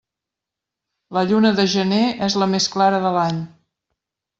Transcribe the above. La lluna de gener és la més clara de l'any.